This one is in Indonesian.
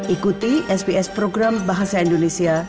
ikuti sps program bahasa indonesia